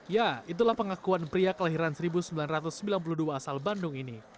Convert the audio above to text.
ya itulah pengakuan pria kelahiran seribu sembilan ratus sembilan puluh dua asal bandung ini